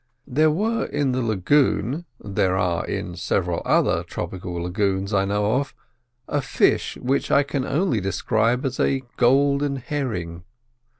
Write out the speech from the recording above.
There were in the lagoon—there are in several other tropical lagoons I know of—a fish which I can only describe as a golden herring.